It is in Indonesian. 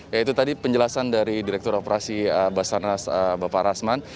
ya itu tadi penjelasan dari direktur operasi basarnas bapak rasman